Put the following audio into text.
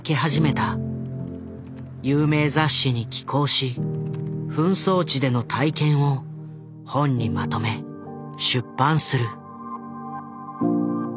有名雑誌に寄稿し紛争地での体験を本にまとめ出版する。